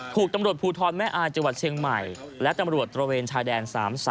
ถูกตำรวจภูทรแม่อายจังหวัดเชียงใหม่และตำรวจตระเวนชายแดน๓๓